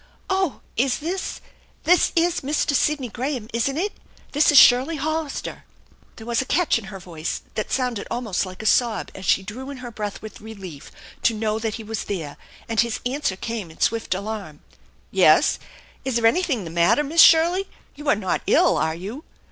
" Oh, is this, this is Mr. Sidney Graham, isn't it? This is Shirley Hollister." There was a catch in her voice that sounded almost like a sob as she drew in her breath with relief to know that he was there, and his answer came in swift alarm: " Yes ? Is there anything the matter, Miss Shirley ? You are not ill, are you?"